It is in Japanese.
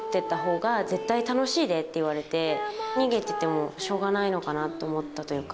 逃げててもしょうがないのかなと思ったというか。